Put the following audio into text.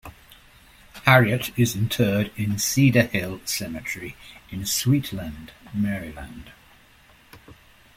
Harriet is interred in Cedar Hill Cemetery in Suitland, Maryland.